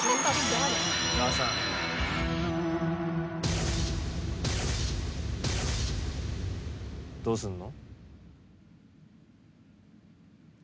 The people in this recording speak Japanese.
我３。どうすんの？